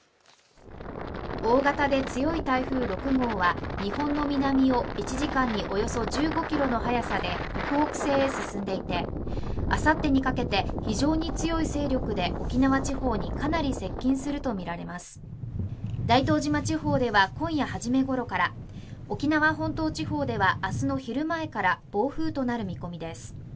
大型で強い台風６号は日本の南を１時間におよそ１５キロの速さで北北西へ進んでいてあさってにかけて非常に強い勢力で沖縄地方にかなり接近すると見られます大東島地方では今夜はじめごろから沖縄本島地方ではあすの昼前から暴風となる見込みです